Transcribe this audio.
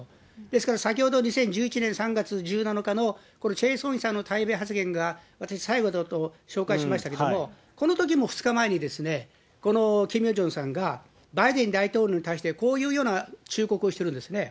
ですから先ほど２０１１年３月１７日のこのチェ・ソニさんの対米発言が私、最後だと紹介しましたけれども、このときも２日前に、このキム・ヨジョンさんがバイデン大統領に対して、こういうような忠告をしているんですね。